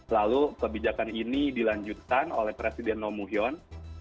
lalu kebijakan ini dilanjutkan oleh presiden roh moo hyun